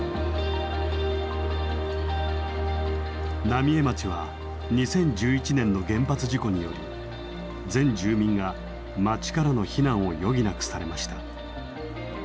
浪江町は２０１１年の原発事故により全住民が町からの避難を余儀なくされました。